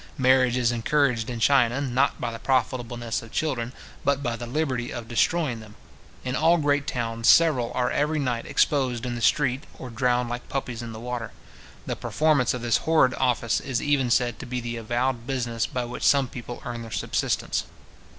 Marriage is encouraged in China, not by the profitableness of children, but by the liberty of destroying them. In all great towns, several are every night exposed in the street, or drowned like puppies in the water. The performance of this horrid office is even said to be the avowed business by which some people earn their subsistence.